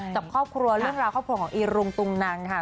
จากครอบครัวเรื่องราวความความความของอีรุงตุงนังนะคะ